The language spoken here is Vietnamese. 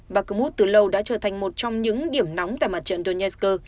bakhmut từ lâu đã trở thành một trong những điểm nóng tại mặt trận donetsk